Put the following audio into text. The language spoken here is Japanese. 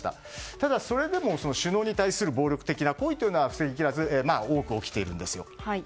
ただ、それでも首脳に対する暴力的な行為は防ぎきれず多く起きているんですよ。